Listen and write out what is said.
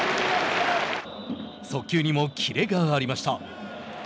速球にもキレがありました。